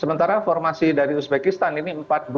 sementara formasi dari uzbekistan ini empat dua tiga satu